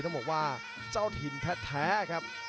บุงจังหวัดชนบุรีต้องบอกว่าเจ้าถิ่นแท้ครับ